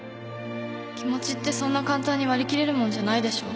気持ちってそんな簡単に割り切れるもんじゃないでしょ